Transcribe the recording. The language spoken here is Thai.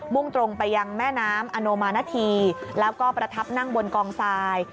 ่งตรงไปยังแม่น้ำอโนมานาธีแล้วก็ประทับนั่งบนกองทราย